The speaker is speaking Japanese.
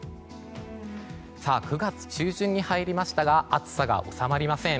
９月中旬に入りましたが暑さが収まりません。